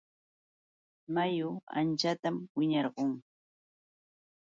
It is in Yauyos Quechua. Mayu anchatam wiñarqun.